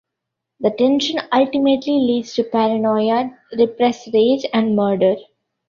The tension ultimately leads to paranoia, repressed rage and murder.